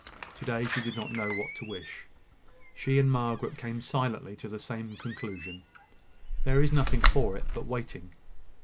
To day she did not know what to wish. She and Margaret came silently to the same conclusion; "there is nothing for it but waiting."